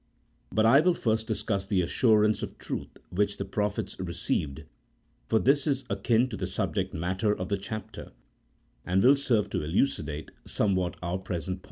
But I will first discuss the assurance of truth which the prophets re ceived, for this is akin to the subject matter of the chapter, and will serve to elucidate somewhat our present point.